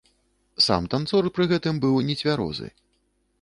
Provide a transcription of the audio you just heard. Сам танцор пры гэтым быў нецвярозы.